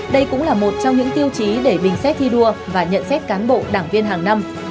đây cũng là một trong những tiêu chí để bình xét thi đua và nhận xét cán bộ đảng viên hàng năm